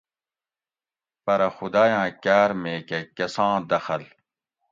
پرہ خدایاۤں کاۤر میکہ کۤساں دخل